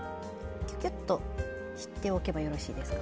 キュキュッとしておけばよろしいですか？